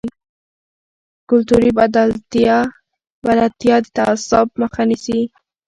کلتوري بلدتیا د تعصب مخه نیسي.